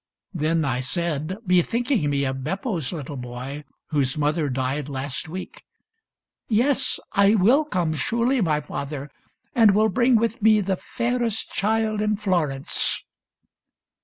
" Then I said, Bethinking me of Beppo's little boy Whose mother died last week —" Yes, I will come Surely, my father, and will bring with me The fairest child in Florence."